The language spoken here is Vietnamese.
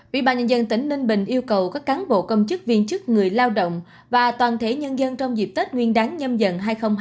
ủy ban nhân dân tỉnh ninh bình yêu cầu các cán bộ công chức viên chức người lao động và toàn thể nhân dân trong dịp tết nguyên đáng nhâm dần hai nghìn hai mươi bốn